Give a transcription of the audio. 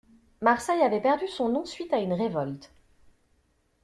Marseille avait perdu son nom suite à une révolte.